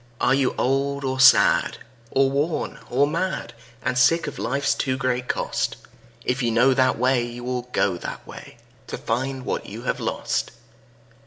Are you old or sad or worn or mad, And sick of life's too great cost? If you know that way, you will go that way, To find what you have lost.